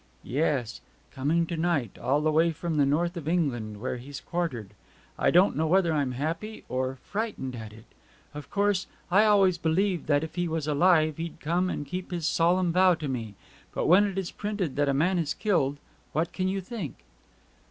'Yes; coming to night all the way from the north of England where he's quartered. I don't know whether I'm happy or frightened at it. Of course I always believed that if he was alive he'd come and keep his solemn vow to me. But when it is printed that a man is killed what can you think?'